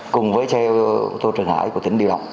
cùng với xe ô tô trường hải của tỉnh điều động